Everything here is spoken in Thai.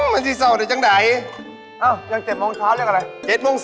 มันที่เศร้าแต่จังไหน